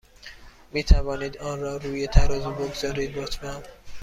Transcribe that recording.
می توانید آن را روی ترازو بگذارید، لطفا؟